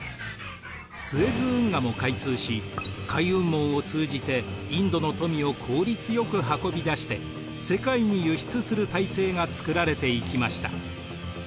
スエズ運河も開通し海運網を通じてインドの富を効率よく運び出して世界に輸出する体制が作られていきました。